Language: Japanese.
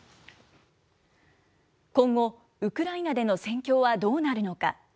今後、ウクライナでの戦況はどうなるのか。